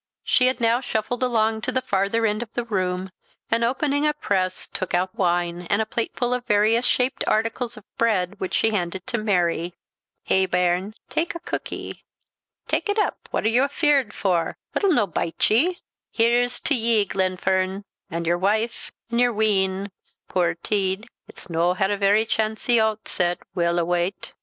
She had now shuffled along to the farther end of the room, and opening a press, took out wine, and a plateful of various shaped articles of bread, which she handed to Mary. "Hae, bairn tak a cookie; tak it up what are you fear'd for? It'll no bite ye. Here's t'ye, Glenfern, an' your wife, an' your wean, puir tead; it's no had a very chancy ootset, weel a wat."